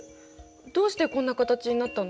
どうしてこんな形になったの？